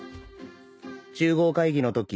柱合会議のとき